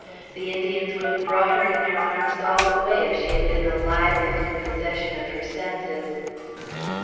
The Indians would have brought her in their arms all the way, if she had been alive and in possession of her senses.